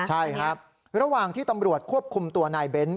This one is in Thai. ใช่ครับระหว่างที่ตำรวจควบคุมตัวนายเบ้น